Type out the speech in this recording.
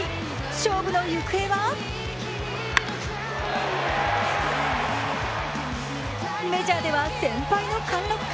勝負の行方はメジャーでは先輩の貫禄か？